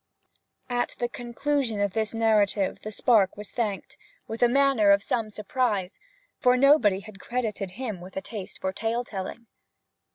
At the conclusion of this narrative the Spark was thanked, with a manner of some surprise, for nobody had credited him with a taste for tale telling.